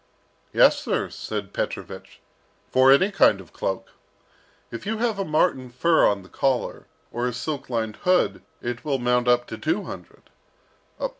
"Yes, sir," said Petrovich, "for any kind of cloak. If you have a marten fur on the collar, or a silk lined hood, it will mount up to two hundred."